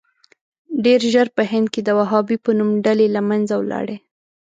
ډېر ژر په هند کې د وهابي په نوم ډلې له منځه ولاړې.